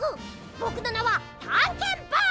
ぼくのなはたんけんボーイ！